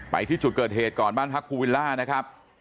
ที่จุดเกิดเหตุก่อนบ้านพักภูวิลล่านะครับ